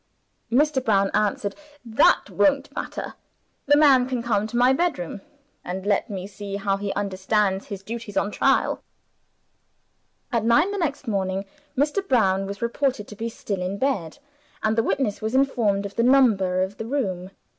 Mr. Brown answered, "That won't matter; the man can come to my bedroom, and let me see how he understands his duties, on trial." At nine the next morning, Mr. Brown was reported to be still in bed; and the witness was informed of the number of the room.